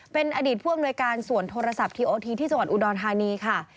เป็นอดีตผู้อำนวยการส่วนโทรศัพท์ทีโอทีที่จังหวัดอุดรธานีค่ะ